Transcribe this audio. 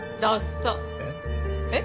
えっ？